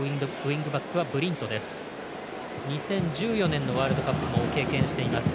２０１４年のワールドカップも経験しています。